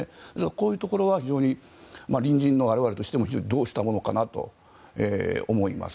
こういうところは非常に隣人の我々としても非常にどうしたものかなと思います。